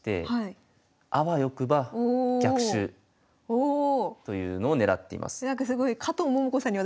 おお！というのをねらっています。